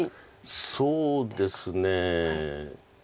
そうですね。